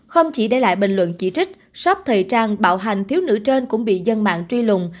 không chỉ để lại bình luận chỉ trích shop thời trang bạo hành thiếu nữ trên cũng bị dân mạng truy lùng